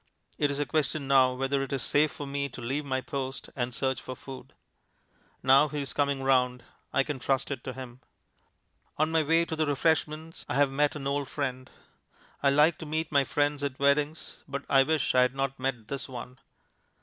It is a question now whether it is safe for me to leave my post and search for food... Now he is coming round; I can trust it to him. On my way to the refreshments I have met an old friend. I like to meet my friends at weddings, but I wish I had not met this one.